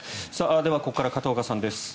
では、ここから片岡さんです。